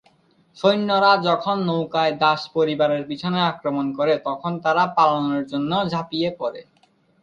সৈন্যরা যখন নৌকায় দাস পরিবারের পিছনে আক্রমণ করে, তখন তারা পালানোর জন্য পানিতে ঝাঁপিয়ে পড়ে।